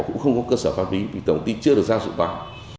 cũng không có cơ sở phát ví vì tổng ty chưa được giao dụng vào